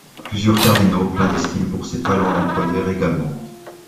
Plusieurs cardinaux, pleins d’estime pour ses talents, l’employèrent également.